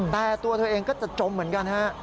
แต่ตัวเธอเองก็จะจมเหมือนกันฮะ